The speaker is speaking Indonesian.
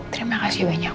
terima kasih banyak pak